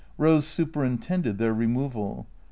Rose superintended their removal.